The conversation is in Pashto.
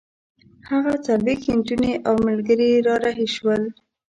هغه څلوېښت نجونې او ملګري را رهي شول.